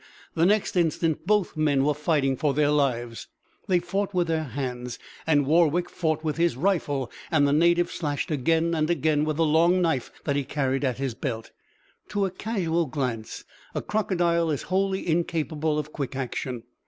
The next instant both men were fighting for their lives. They fought with their hands, and Warwick fought with his rifle, and the native slashed again and again with the long knife that he carried at his belt. To a casual glance, a crocodile is wholly incapable of quick action.